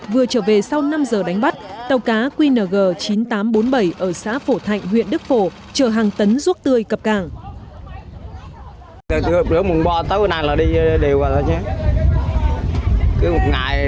vừa trở về sau năm giờ đánh bắt tàu cá qng chín nghìn tám trăm bốn mươi bảy ở xã phổ thạnh huyện đức phổ chở hàng tấn ruốc tươi cập cảng